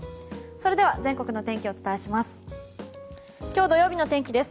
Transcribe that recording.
それでは全国の天気をお伝えします。